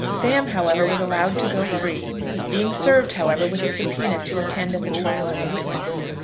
Sam, however, was allowed to go free, being served, however, with a subpoena to attend at the trial as a witness.